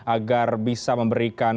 agar bisa memberikan